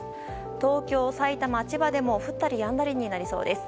東京、埼玉、千葉でも降ったりやんだりになりそうです。